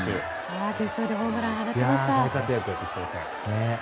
決勝でホームランを放ちました。